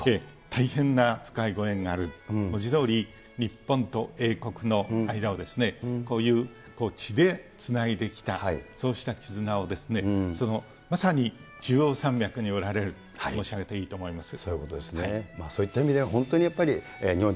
大変な深いご縁がある、文字どおり、日本と英国の間を、こういう血でつないできた、そうした絆を、まさに中央山脈におられるというふうに申し上げていいと思います。